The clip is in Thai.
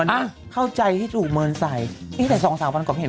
โอเคไปดีกว่าค่ะ